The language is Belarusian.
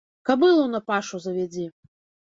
Кабылу на пашу завядзі.